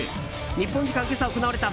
日本時間今朝行われた